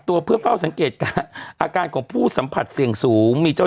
ตัวเพื่อเฝ้าสังเกตการณ์อาการของผู้สัมผัสเสี่ยงสูงมีเจ้า